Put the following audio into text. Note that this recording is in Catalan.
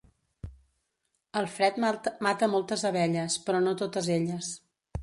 El fred mata moltes abelles, però no totes elles.